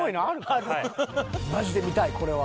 マジで見たいこれは。